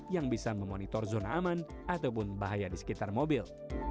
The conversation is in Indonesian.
yang bisa memonitor zona aman ataupun bahaya di sekitar mobil